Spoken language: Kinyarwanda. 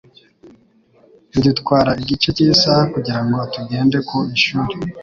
Bidutwara igice cy'isaha kugirango tugende ku ishuri.